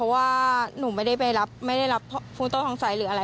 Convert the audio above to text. ว่าหนูไม่ได้ไปรับไม่ได้รับฟูโต้ทองใสหรืออะไร